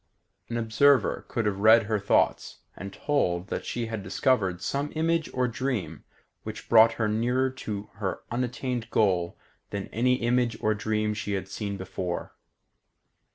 An observer could have read her thoughts and told that she had discovered some image or dream which brought her nearer to her unattained goal than any image or dream she had seen before.